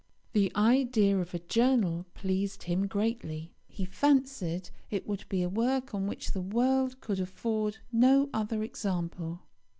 The idea of a journal pleased him greatly. He fancied it would be a work of which the world could afford no other example.